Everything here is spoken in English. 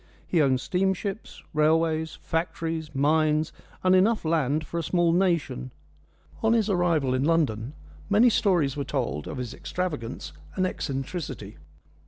He owned steamships, railways, factories, mines, and enough land for a small nation. On his arrival in London many stories were told of his extravagance and eccentricity.